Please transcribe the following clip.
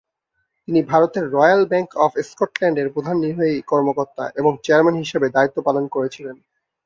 তিনি ভারতের royal bank of স্কটল্যান্ডের প্রধান নির্বাহী কর্মকর্তা এবং চেয়ারম্যান হিসাবে দায়িত্ব পালন করেছিলেন।